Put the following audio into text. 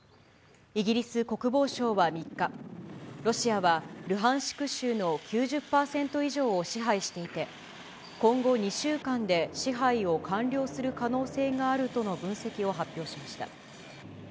イギリス国防省は３日、ロシアはルハンシク州の９０％以上を支配していて、今後２週間で支配を完了する可能性があるとの分析を発表しました。